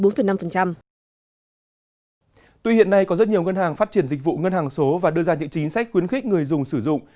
tuy hiện nay có rất nhiều ngân hàng phát triển dịch vụ ngân hàng số và đưa ra những chính sách khuyến khích người dùng sử dụng